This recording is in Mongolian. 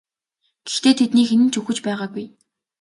Гэхдээ тэдний хэн нь ч үхэж байгаагүй.